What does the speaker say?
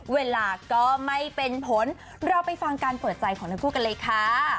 เวลาก็ไม่เป็นผลเราไปฟังการเปิดใจของทั้งคู่กันเลยค่ะ